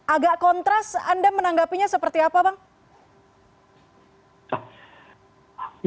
agak kontras anda menanggapinya seperti apa bang